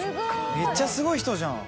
めっちゃすごい人じゃん。